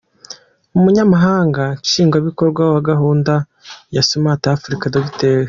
Umunyamabanga nshingwabikorwa wa gahunda ya Smart Africa, Dr.